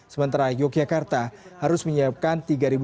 sementara yogyakarta harus menyiapkan